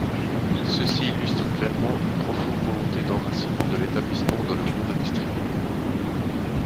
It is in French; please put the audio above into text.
Ceux-ci illustrent clairement une profonde volonté d’enracinement de l’établissement dans le monde industriel.